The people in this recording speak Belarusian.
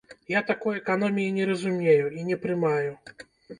Я такой эканоміі не разумею і не прымаю.